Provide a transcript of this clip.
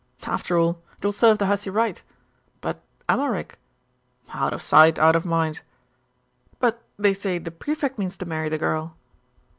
'After all, it will serve the hussy right. But Amalric?' 'Out of sight, out of mind.' 'But they say the Prefect means to marry the girl.